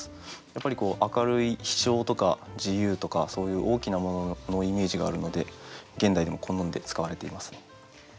やっぱりこう明るい「飛しょう」とか「自由」とかそういう大きなもののイメージがあるので現代でも好んで使われていますね。